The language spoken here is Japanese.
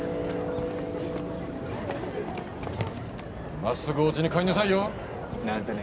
まっすぐおうちに帰りなさいよ！なんてね。